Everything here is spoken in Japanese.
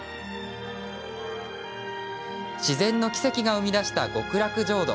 自然の奇跡が生み出した極楽浄土。